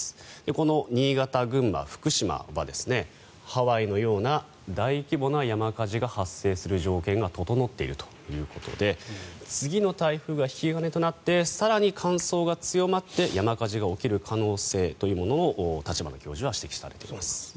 この新潟、群馬、福島はハワイのような大規模な山火事が発生する条件が整っているということで次の台風が引き金となって更に乾燥が強まって山火事が起きる可能性というものを立花教授は指摘されています。